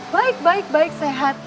baik baik baik sehat